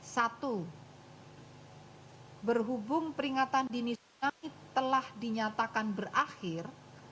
satu berhubung peringatan dini tsunami telah dinyatakan berakhir